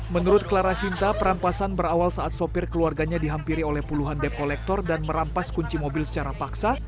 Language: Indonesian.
menurut clara sinta perampasan berawal saat sopir keluarganya dihampiri oleh puluhan dep kolektor dan merampas kunci mobil secara paksa